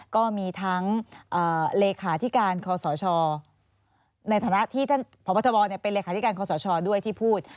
ก็มีทั้งพบทบเป็นเลขาที่การขสชด้วยที่พูด